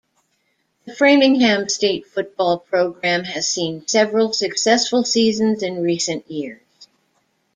The Framingham State football program has seen several successful seasons in recent years.